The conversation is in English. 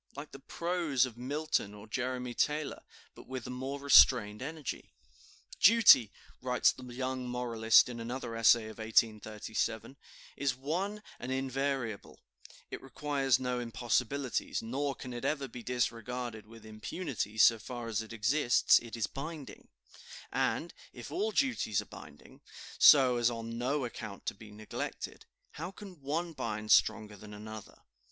like the prose of Milton or Jeremy Taylor, but with a more restrained energy. "Duty," writes the young moralist in another essay of 1837, "is one and invariable; it requires no impossibilities, nor can it ever be disregarded with impunity; so far as it exists, it is binding; and, if all duties are binding, so as on no account to be neglected, how can one bind stronger than another?"